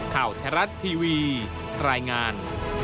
ข่าวไทยรัฐทีวีรายงาน